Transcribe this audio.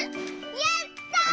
やった！